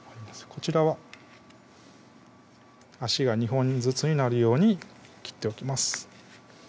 こちらは足が２本ずつになるように切っておきます